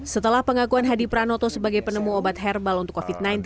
setelah pengakuan hadi pranoto sebagai penemu obat herbal untuk covid sembilan belas